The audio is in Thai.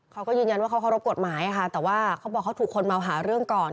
เขาก็ยืนยันว่าเขารบกฎหมายแต่เขาบอกก็ถูกคนมาหาเรื่องก่อน